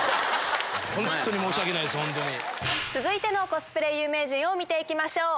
続いてのコスプレ有名人を見て行きましょう！